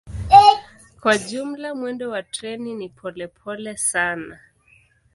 Kwa jumla mwendo wa treni ni polepole sana.